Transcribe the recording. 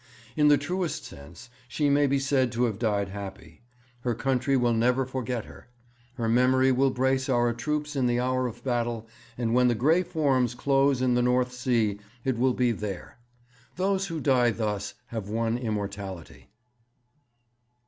In the truest sense she may be said to have died happy. Her country will never forget her. Her memory will brace our troops in the hour of battle, and when the grey forms close in the North Sea it will be there. Those who die thus have won immortality.'